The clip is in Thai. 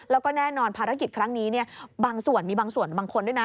แล้วก็แน่นอนภารกิจครั้งนี้บางส่วนมีบางส่วนบางคนด้วยนะ